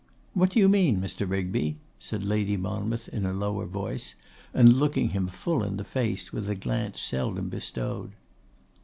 'What do you mean, Mr. Rigby?' said Lady Monmouth, in a lower voice, and looking him full in the face with a glance seldom bestowed.